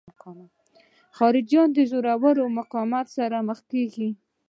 د خلجیانو د زورور مقاومت سره مخامخ کیږو.